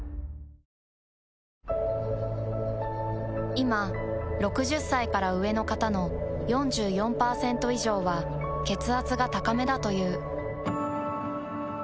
いま６０歳から上の方の４４％以上は血圧が高めだという。